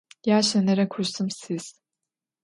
Yaşenere kursım sis.